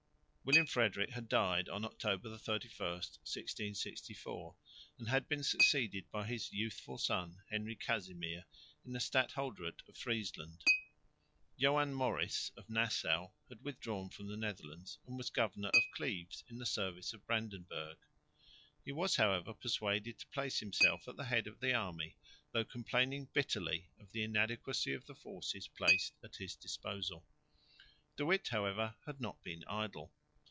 William Frederick was dead (October 31, 1664) and had been succeeded by his youthful son, Henry Casimir, in the Stadholderate of Friesland. Joan Maurice of Nassau had withdrawn from the Netherlands and was Governor of Cleves in the service of Brandenburg. He was however persuaded to place himself at the head of the army, though complaining bitterly of the inadequacy of the forces placed at his disposal. De Witt, however, had not been idle.